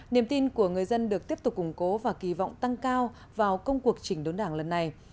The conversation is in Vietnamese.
niềm tin của người dân được tiếp tục củng cố và kỳ vọng tăng cao vào công cuộc chỉnh đốn đảng lần này